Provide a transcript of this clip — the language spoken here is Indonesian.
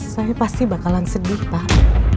saya pasti bakalan sedikit pak